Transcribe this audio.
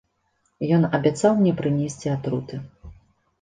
Ён абяцаў мне прынесці атруты!